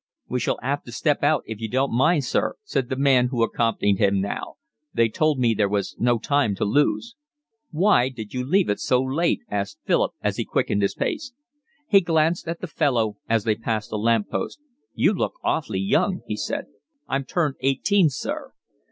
"We shall 'ave to step out if you don't mind, sir," said the man who accompanied him now. "They told me there was no time to lose." "Why did you leave it so late?" asked Philip, as he quickened his pace. He glanced at the fellow as they passed a lamp post. "You look awfully young," he said. "I'm turned eighteen, sir."